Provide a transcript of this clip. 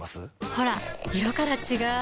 ほら色から違う！